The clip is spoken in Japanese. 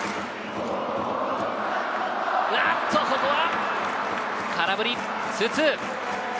あっと、ここは空振り、２−２。